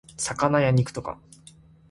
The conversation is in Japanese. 魚や肉とか